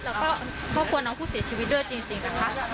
แล้วก็ครอบครัวน้องผู้เสียชีวิตด้วยจริงนะคะ